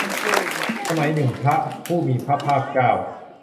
สมัยหนึ่งพระผู้มีพระภาคเจ้า